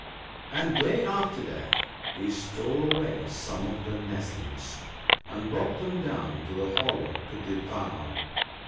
And day after day he stole away some of the nestlings, and brought them down to the hollow to devour.